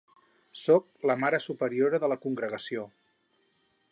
Sóc la mare superiora de la congregació.